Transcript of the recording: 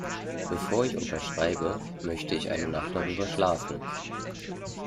Bevor ich unterschreibe, möchte ich eine Nacht darüber schlafen.